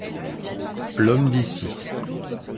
L’homme d’ici.